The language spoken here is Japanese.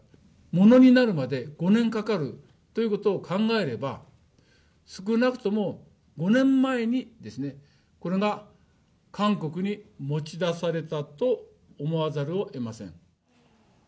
ものになるまで５年かかるということを考えれば、少なくとも５年前にですね、これが韓国に持ち出されたと思わざるをえません。